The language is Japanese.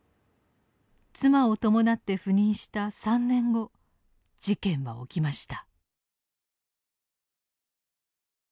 妻を伴って赴任した３年後事件は起きました。